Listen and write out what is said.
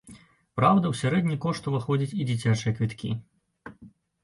Праўда, у сярэдні кошт уваходзяць і дзіцячыя квіткі.